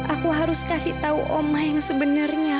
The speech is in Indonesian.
aku harus kasih tau mama yang sebenarnya